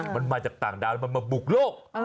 มันมาจากต่างดาวมันมาบุกโลก